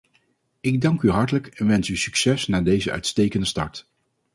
Ik dank u hartelijk en wens u succes na deze uitstekende start.